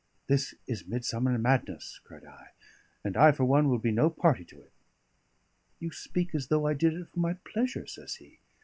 "This is midsummer madness," cried I; "and I for one will be no party to it." "You speak as though I did it for my pleasure," says he.